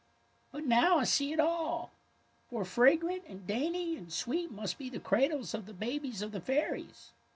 But now I see it all, for fragrant and dainty and sweet must be the cradles of the babies of the fairies."